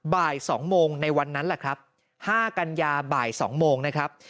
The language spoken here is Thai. บ่าย๒โมงในวันนั้นแหละครับ๕กันยาบ่าย๒โมงนะครับ